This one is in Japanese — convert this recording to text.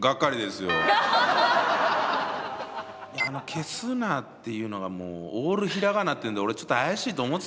「けすな！」っていうのがもうオール平仮名っていうんで俺ちょっと怪しいと思ってたんだよ何か。